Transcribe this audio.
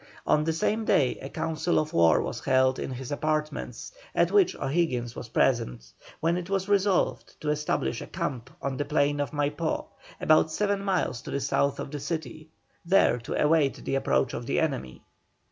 On the same day a council of war was held in his apartments, at which O'Higgins was present, when it was resolved to establish a camp on the plain of Maipó about seven miles to the south of the city, there to await the approach of the enemy.